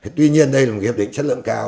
tuy nhiên đây là một hiệp định chất lượng cao